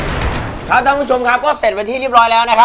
ครับท่านคุณผู้ชมครับก็เสร็จวันนี้มีเรียบร้อยแล้วนะครับ